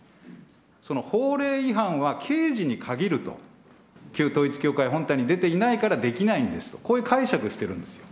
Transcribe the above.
その法令違反は刑事に限ると、旧統一教会本体に出ていないからできないんですと、こういう解釈してるんですよ。